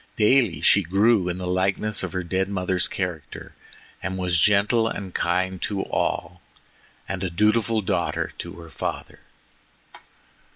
Daily she grew in the likeness of her dead mother's character, and was gentle and kind to all, and a dutiful daughter to her father.